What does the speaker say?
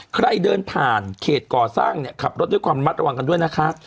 ใครเดินผ่านเขตก่อสร้างเนี่ยขับรถด้วยความมัดระวังกันด้วยนะคะ